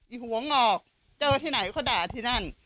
หัวงอกเจอที่ไหนเขาด่าที่นั่น